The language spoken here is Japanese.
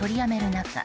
中